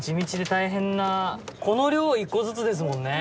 この量１個ずつですもんね。